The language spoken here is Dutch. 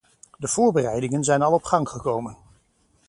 De voorbereidingen zijn al op gang gekomen.